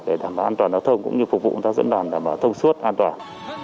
để đảm bảo an toàn giao thông cũng như phục vụ các dân đoàn đảm bảo thông suốt an toàn